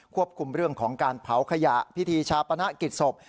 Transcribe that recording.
ควบคุมเรื่องของการเผาขยะพิธีชาปนกิจศพ